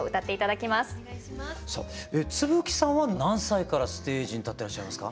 津吹さんは何歳からステージに立ってらっしゃいますか？